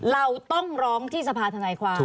เราต้องร้องที่สภาธนายความ